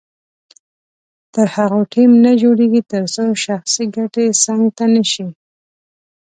تر هغو ټیم نه جوړیږي تر څو شخصي ګټې څنګ ته نه شي.